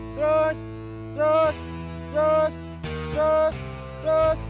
terus terus terus terus terus